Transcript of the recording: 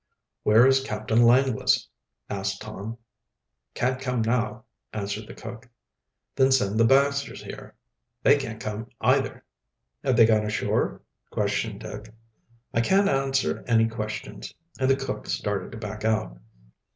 "Where is Captain Langless?" asked Tom. "Can't come now," answered the cook. "Then send the Baxters here." "They can't come either." "Have they gone ashore?" questioned Dick. "I can't answer any questions," and the cook started to back out.